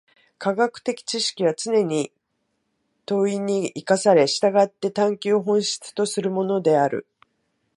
科学的知識はつねに問に生かされ、従って探求を本質とするものである。